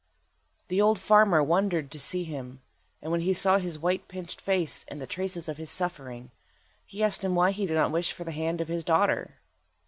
The old farmer wondered to see him, and when he saw his white pinched face and the traces of his suffering, he asked him why he did not wish for the hand of his daughter.